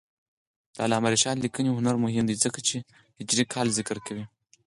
د علامه رشاد لیکنی هنر مهم دی ځکه چې هجري کال ذکر کوي.